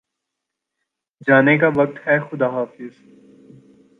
جانے کا وقت ہےخدا حافظ